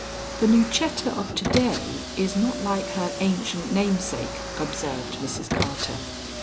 "The Lucetta of to day is not like her ancient namesake," observed Mrs. Carter.